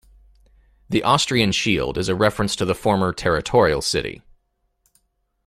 The Austrian shield is a reference to the former territorial city.